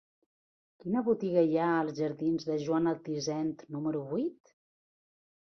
Quina botiga hi ha als jardins de Joan Altisent número vuit?